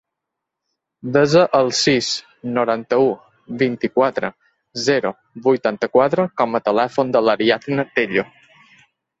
Desa el sis, noranta-u, vint-i-quatre, zero, vuitanta-quatre com a telèfon de l'Ariadna Tello.